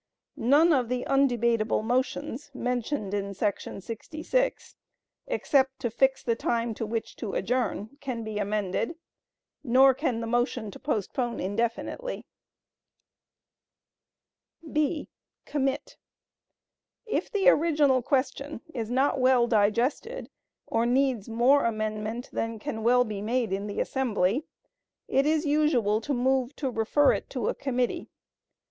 None of the undebatable motions mentioned in § 66, except to fix the time to which to adjourn, can be amended, nor can the motion to postpone indefinitely. (b) Commit. If the original question is not well digested, or needs more amendment than can well be made in the assembly, it is usual to move "to refer it to a committee."